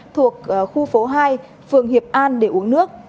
thuộc khu phố hai phường hiệp an để uống nước